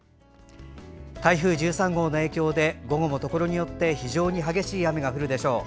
台風１３号の影響で午後もところによって非常に激しい雨が降るでしょう。